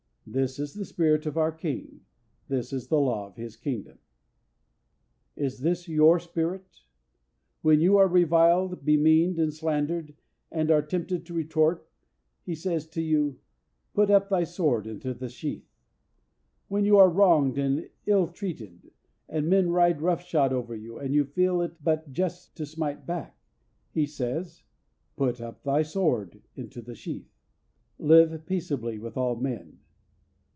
This is the spirit of our King, this is the law of His Kingdom. Is this your spirit? When you are reviled, bemeaned and slandered, and are tempted to retort, He says to you, "Put up thy sword into the sheath." When you are wronged and illtreated, and men ride rough shod over you, and you feel it but just to smite back, He says, "Put up thy sword into the sheath." "Live peaceably with all men."